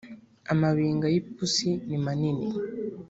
amabinga yipusi nimanini